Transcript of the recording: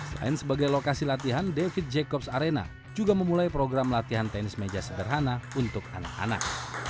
selain sebagai lokasi latihan david jacobs arena juga memulai program latihan tenis meja sederhana untuk anak anak